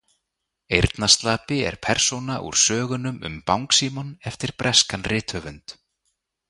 Eyrnaslapi er persóna úr sögunum um „Bangsímon“ eftir breskan rithöfund.